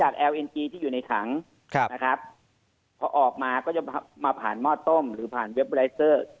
เขาออกมาก็จะมาผ่านหม้อต้มหรือผ่านเว็บไฟลไซล์